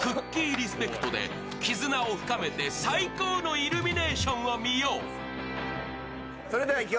リスペクトで絆を深めて最高のイルミネーションを見よう。